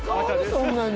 そんなに。